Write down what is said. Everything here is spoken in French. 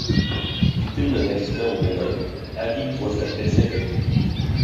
Victime d'un accident au Bénin, Harry voit sa plaie s'infecter.